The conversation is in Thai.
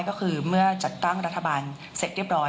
ก็คือเมื่อจัดตั้งรัฐบาลเสร็จเรียบร้อย